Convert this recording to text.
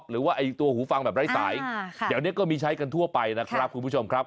หรือว่าตัวหูฟังแบบไร้สายเดี๋ยวนี้ก็มีใช้กันทั่วไปนะครับคุณผู้ชมครับ